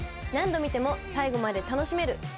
何度見ても最後まで楽しめる。